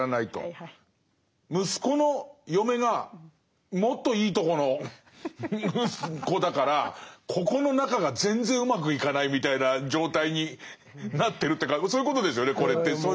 息子の嫁がもっといいとこの子だからここの仲が全然うまくいかないみたいな状態になってるっていうかそういうことですよねこれって。